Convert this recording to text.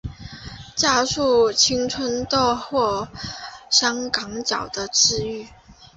加速青春痘或香港脚的治愈。